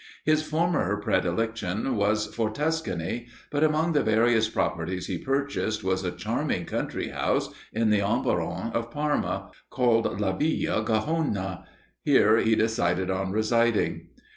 His former predilection was for Tuscany; but, among the various properties he purchased, was a charming country house in the environs of Parma, called la Villa Gajona here he decided on residing.